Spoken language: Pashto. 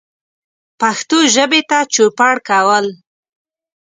پښتو ژبې ته چوپړ کول